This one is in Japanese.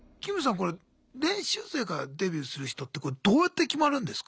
これ練習生からデビューする人ってどうやって決まるんですか？